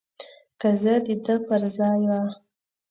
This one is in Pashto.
که زه د ده پر ځای وای.